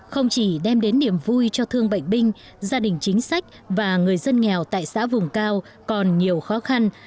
không chỉ đem đến niềm vui cho thương bệnh binh gia đình chính sách và người dân nghèo tại xã vùng cao còn nhiều khó khăn